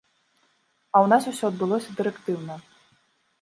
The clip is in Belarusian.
А ў нас усё адбылося дырэктыўна.